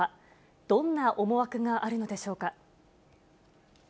どんな思惑があるのでしょうか。